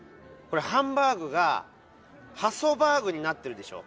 ハンバーグがハソバーグになってるでしょ？